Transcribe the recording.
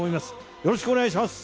よろしくお願いします。